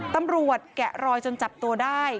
ตำรวจแกะรอยจนจับตัวได้